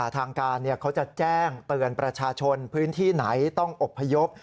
ทางการเขาจะแจ้งเตือนประชาชนพื้นที่ไหนต้องอบพยพ